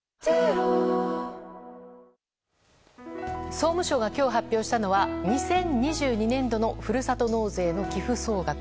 総務省が今日発表したのは２０２２年度のふるさと納税の寄付総額。